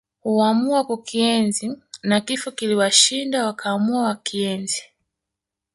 Huamua kukienzi na Kifo kiliwashinda wakaamua wakienzi